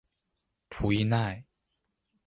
普伊奈。